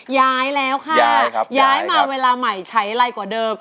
ย้ายแล้วค่ะย้ายมาเวลาใหม่ใช้ไรกว่าเดิม